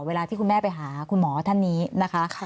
เวลาที่คุณแม่ไปหาคุณหมอท่านนี้นะคะ